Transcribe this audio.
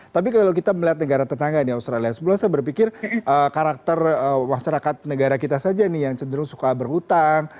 tapi kalau kita melihat negara tetangga nih australia sebelumnya saya berpikir karakter masyarakat negara kita saja nih yang cenderung suka berhutang